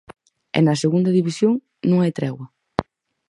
E na Segunda División, non hai tregua.